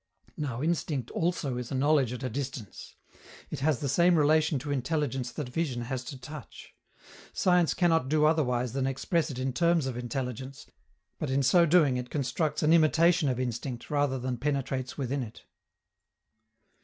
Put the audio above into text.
Now instinct also is a knowledge at a distance. It has the same relation to intelligence that vision has to touch. Science cannot do otherwise than express it in terms of intelligence; but in so doing it constructs an imitation of instinct rather than penetrates within it.